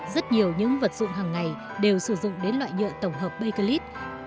rất nhiều những vật dụng hàng ngày đều sử dụng đến loại nhựa tổng hợp ballit